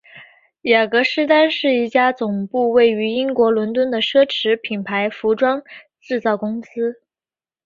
雅格狮丹是一家总部位于英国伦敦的奢侈品牌服装制造公司。